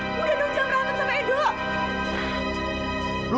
udah dong jam raten sama edo